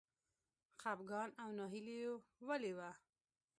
خپګان او ناهیلي ولې وه.